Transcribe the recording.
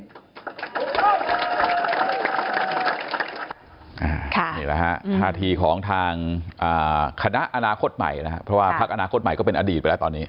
นี่แหละฮะท่าทีของทางคณะอนาคตใหม่นะครับเพราะว่าพักอนาคตใหม่ก็เป็นอดีตไปแล้วตอนนี้